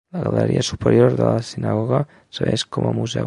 La galeria superior de la sinagoga serveix com a museu.